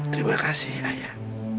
terima kasih ayah